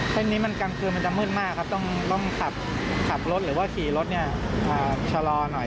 เส้นนี้มันกลางคืนมันจะมืดมากครับต้องขับรถหรือว่าขี่รถเนี่ยชะลอหน่อย